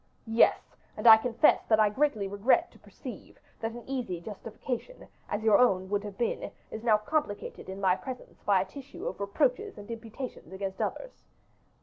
"Yes; and I confess that I greatly regret to perceive, that an easy justification, as your own would have been, is now complicated in my presence by a tissue of reproaches and imputations against others."